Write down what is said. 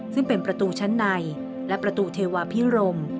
ซึ่งเป็นประตูชั้นในและประตูเทวาพิรม